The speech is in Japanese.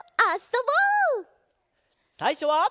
さいしょは。